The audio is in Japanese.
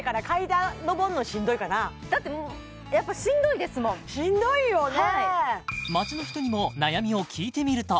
だってやっぱしんどいですもんしんどいよね